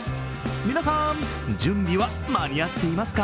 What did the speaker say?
皆さん、準備は間に合っていますか